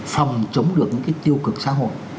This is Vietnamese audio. phòng chống được những cái tiêu cực xã hội